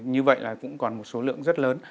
như vậy là cũng còn một số lượng rất lớn